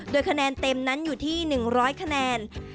โดยคะแนนเต็มนั้นอยู่ที่๑๐๐คะแนน